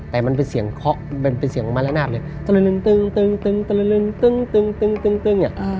แต่มันเป็นเสียงเคาะเป็นเสียงระนาดเลย